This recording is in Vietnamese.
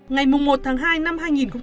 ngày một tháng hai năm hai nghìn một mươi chín